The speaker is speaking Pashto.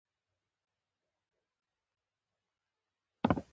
چې د ټولنې د طبقاتو ترمنځ بدګماني پیدا کوي.